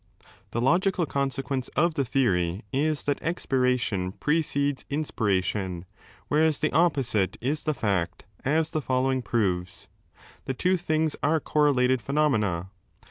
The logical 3 consequence of the theory is that expiration precedes inspiration, whereas the opposite is the fact, as the following proves. The two things are correlated phenomena.